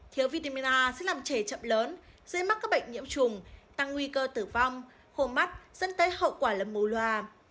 thiếu vitamin a sẽ làm trẻ chậm lớn dễ mắc các bệnh nhiễm trùng tăng nguy cơ tử vong khô mắt dẫn tới hậu quả lầm mô loa